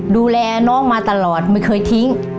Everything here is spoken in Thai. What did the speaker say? ดูแลน้องมาตลอดไม่เคยทิ้ง